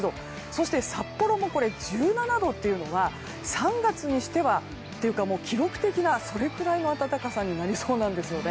そして、札幌も１７度というのが３月にしては記録的なぐらいの暖かさになりそうなんです。